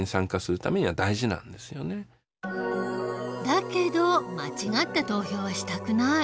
だけど間違った投票はしたくない。